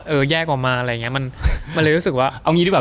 แยกออกมาอะไรอย่างเงี้มันมันเลยรู้สึกว่าเอางี้ดีกว่า